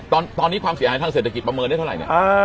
ตอนนี้ความเสียหายทางเศรษฐกิจประเมินได้เท่าไหร่เนี่ย